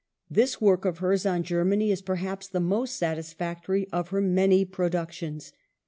This work of hers on Germany is, perhaps, the most satis factory of her many productions.